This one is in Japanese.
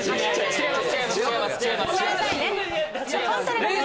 違います